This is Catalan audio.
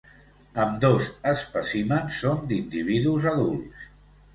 Ambdós espècimens són d’individus adults.